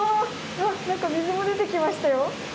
わっ何か水も出てきましたよ。